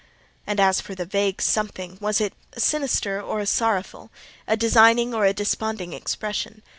And as for the vague something—was it a sinister or a sorrowful, a designing or a desponding expression?